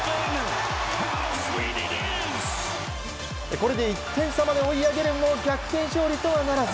これで１点差まで追い上げるも逆転勝利とはならず。